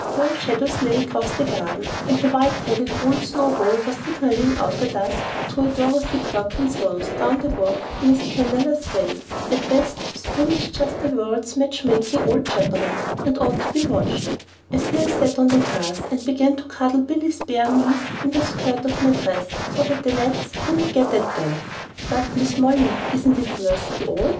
Long shadows lay across the garden, and the white headed old snow ball was signalling out of the dusk to a Dorothy Perkins rose down the walk in a scandalous way. At best, spring is just the world's match making old chaperon, and ought to be watched. I still sat on the grass, and I began to cuddle Billy's bare knees in the skirt of my dress so the gnats couldn't get at them. "But, Mrs. Molly, isn't it worth it all?"